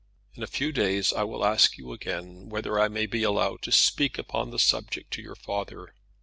In a few days I will ask you again whether I may be allowed to speak upon the subject to your father.